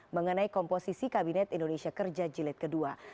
mengenai komposisi kabinet indonesia kerja jilid ii